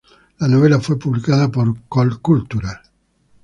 La novela fue publicada por Colcultura.